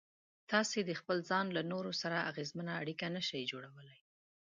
تاسې د خپل ځان له نورو سره اغېزمنه اړيکه نشئ جوړولای.